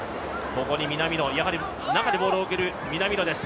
ここに南野、中でボールを受ける南野です。